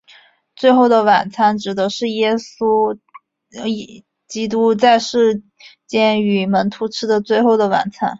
最后的晚餐指的是耶稣基督在世间与门徒吃的最后的晚餐。